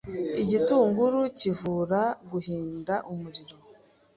Igitunguru kivura guhinda umuriro